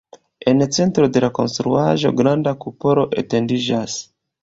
En centro de la konstruaĵo granda kupolo etendiĝas.